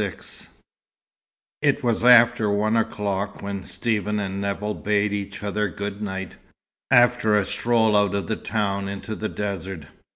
XLVI It was after one o'clock when Stephen and Nevill bade each other good night, after a stroll out of the town into the desert.